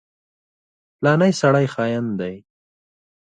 فلانی سړی خاين دی.